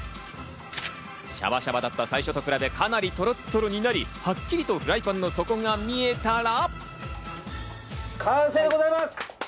シャバシャバだった最初と比べ、かなりトロットロになり、はっきりとフライパンの底が見えたら。